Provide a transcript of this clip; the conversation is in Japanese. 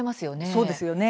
そうですよね。